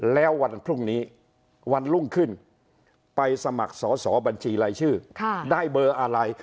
แล้ววันพรุ่งนี้วันรุ่งขึ้นไปสมัครสอสอบัญชีรายชื่อได้เบอร์อะไร